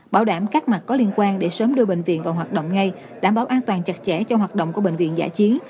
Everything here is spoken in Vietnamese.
bảo đảm các mặt có liên quan để sớm đưa bệnh viện vào hoạt động ngay đảm bảo an toàn chặt chẽ cho hoạt động của bệnh viện giả chiến